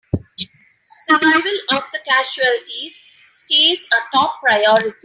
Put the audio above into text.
Survival of the casualties stays our top priority!